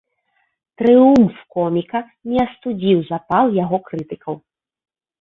Трыумф коміка не астудзіў запал яго крытыкаў.